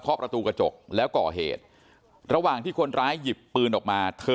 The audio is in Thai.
ประตูกระจกแล้วก่อเหตุระหว่างที่คนร้ายหยิบปืนออกมาเธอ